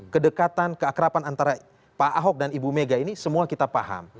kedekatan keakrapan antara pak ahok dan ibu mega ini semua kita paham